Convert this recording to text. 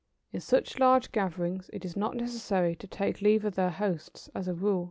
In such large gatherings it is not necessary to take leave of their hosts, as a rule.